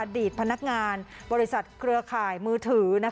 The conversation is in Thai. ตพนักงานบริษัทเครือข่ายมือถือ